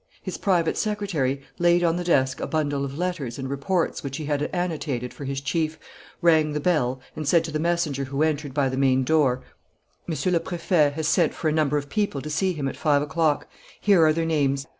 His private secretary laid on the desk a bundle of letters and reports which he had annotated for his chief, rang the bell and said to the messenger who entered by the main door: "Monsieur le Préfet has sent for a number of people to see him at five o'clock. Here are their names.